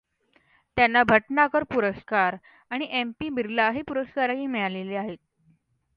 त्यांना भटनागर पुरस्कार आणि एम. पी. बिरला हे पुरस्कारही मिळाले आहेत.